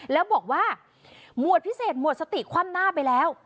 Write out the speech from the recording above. แล้วบอกว่าหมวดพิเศษหวดสติคว่ำหน้าไปแล้ว